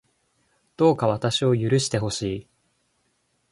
どうか私を許してほしい